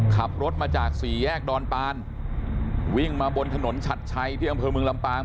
ขับรถมาจากสี่แยกดอนปานวิ่งมาบนถนนชัดชัยที่อำเภอเมืองลำปาง